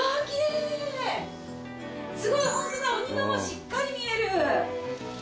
すごいホントだお庭もしっかり見える。